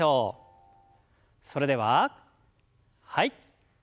それでははい。